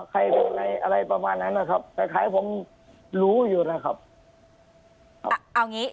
ใครอะไรอะไรประมาณนั้นนะครับคล้ายคล้ายผมรู้อยู่นะครับเอาอย่างงี้